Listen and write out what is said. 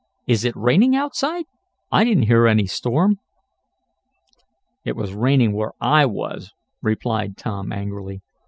"Is it raining outside? I didn't hear any storm." "It was raining where I was," replied Tom angrily.